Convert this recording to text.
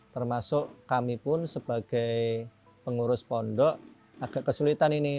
termasuk kami pun sebagai pengurus pondok agak kesulitan ini